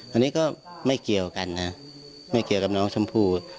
อันนี้ก็ไม่เกี่ยวกันนะไม่เกี่ยวกับน้องชมพู่